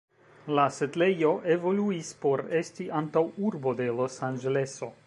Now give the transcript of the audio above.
La setlejo evoluis por esti antaŭurbo de Los-Anĝeleso.